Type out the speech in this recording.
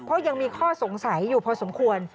เพราะยังมีข้อสงสัยอยู่พอสมควร